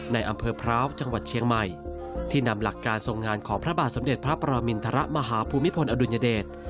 ในอำเภอพร้าวจังหวัดเชียงใหม่ที่นำหลักการทรงงานของพระบาทสมเด็จพระปรมินทรมาฮภูมิพลอดุลยเดช